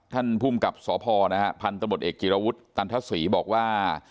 ท่านภูมิกับสพนะฮะพันธมตเอกจิรวุฒิตันทศรีบอกว่า